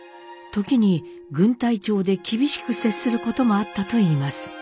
時に軍隊調で厳しく接することもあったといいます。